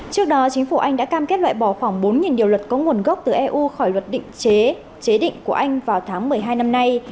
trước đó chính phủ anh đã cam kết loại bỏ khoảng bốn điều luật có nguồn gốc từ eu khỏi luật định chế chế định của anh vào tháng một mươi hai năm nay